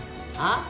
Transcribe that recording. あ？